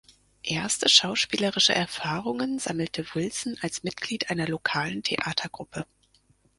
Erste schauspielerische Erfahrungen sammelte Wilson als Mitglied einer lokalen Theatergruppe.